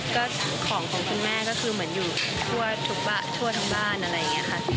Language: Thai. ก็ของของคุณแม่ก็คือเหมือนอยู่ทั่วทั้งบ้านอะไรอย่างนี้ค่ะ